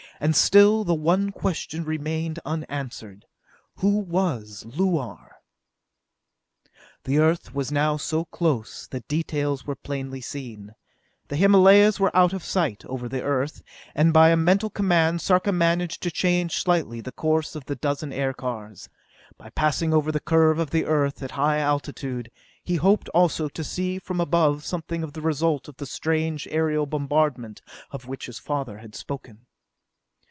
And still the one question remained unanswered: Who was Luar? The Earth was now so close that details were plainly seen. The Himalayas were out of sight, over the Earth, and by a mental command Sarka managed to change slightly the course of the dozen aircars. By passing over the curve of the Earth at a high altitude, he hoped also to see from above something of the result of the strange aerial bombardment of which his father had spoken.